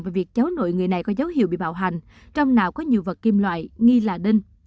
về việc cháu nội người này có dấu hiệu bị bạo hành trong nào có nhiều vật kim loại nghi là đinh